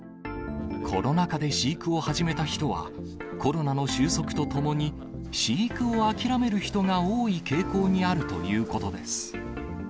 コロナ禍で飼育を始めた人は、コロナの収束とともに、飼育を諦める人が多い傾向にあるということです。